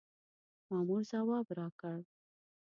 مامور ځواب راکړ.